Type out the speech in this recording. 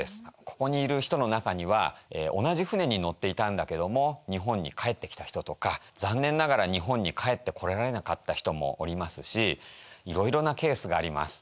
ここにいる人の中には同じ船に乗っていたんだけども日本に帰ってきた人とか残念ながら日本に帰ってこられなかった人もおりますしいろいろなケースがあります。